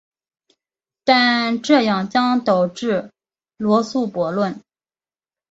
但这样将导致罗素悖论。